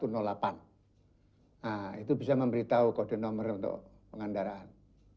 nah itu bisa memberitahu kode nomor untuk pengandaraan